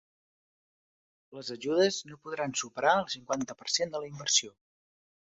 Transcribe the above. Les ajudes no podran superar el cinquanta per cent de la inversió.